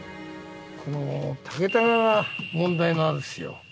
この竹箍が問題なんですよ。